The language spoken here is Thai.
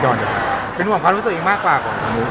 ตัวเองก่อนนะคะเป็นหวังความรู้สึกอีกมากกว่ากว่าความรู้สึก